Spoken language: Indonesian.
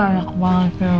enak banget ya